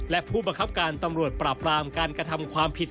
และผู้บังคับการตำรวจปราบรามการกระทำความผิด